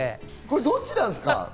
どっちなんですか？